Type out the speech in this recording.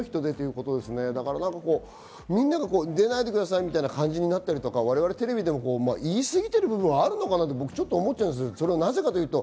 みんなが出ないでくださいっていう感じになったり、我々もテレビで言い過ぎてる部分はあるのかなと思っちゃうんです。